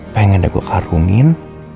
pengen deh gue karungin